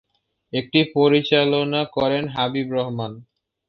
এটি পরিচালনা করেন হাবিব রহমান।